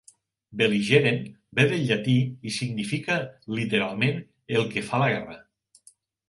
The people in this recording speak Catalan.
"Belligerent" ve del llatí i significa, literalment, "el que fa la guerra".